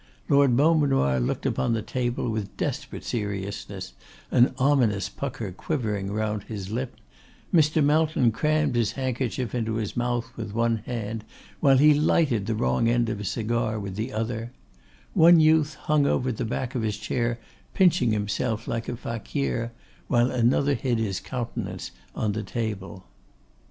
Lord Beaumanoir looked on the table with desperate seriousness, an ominous pucker quivering round his lip; Mr. Melton crammed his handkerchief into his mouth with one hand, while he lighted the wrong end of a cigar with the other; one youth hung over the back of his chair pinching himself like a faquir, while another hid his countenance on the table.